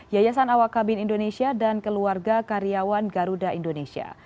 yayasan awak kabin indonesia dan keluarga karyawan garuda indonesia